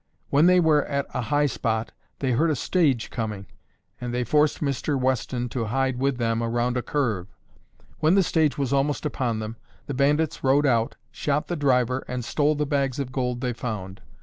When they were at a high spot, they heard a stage coming and they forced Mr. Weston to hide with them around a curve. When the stage was almost upon them, the bandits rode out, shot the driver and stole the bags of gold they found.